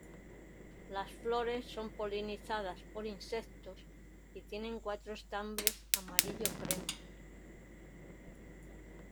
Las flores son polinizadas por insectos y tienen cuatro estambres amarillo crema.